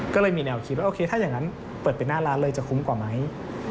ก็เลยมีแนวคิดว่าโอเคถ้าอย่างนั้นเปิดเป็นหน้าร้านเลยจะคุ้มกว่าไหม